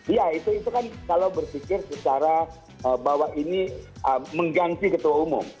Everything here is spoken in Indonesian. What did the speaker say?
iya itu kan kalau berpikir secara bahwa ini mengganti ketua umum